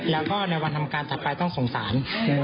แล้วก็ในวันทำการจักรไปต้องสงสาร